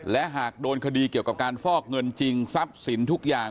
และหากโดนคดีเกี่ยวกับการฟอกเงินจริงทรัพย์สินทุกอย่าง